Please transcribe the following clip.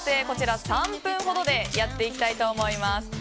こちら、３分ほどでやっていきたいと思います。